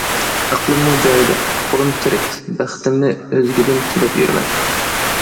ئەقلىممۇ جايىدا، پۇت-قولۇم تىرىك، بەختىمنى ئۆزگىدىن تىلەپ يۈرىمەن.